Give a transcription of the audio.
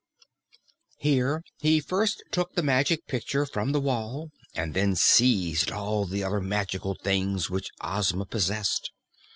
Here he first took the Magic Picture from the wall and then seized all the other magical things which Ozma possessed.